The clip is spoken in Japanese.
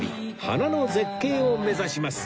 花の絶景を目指します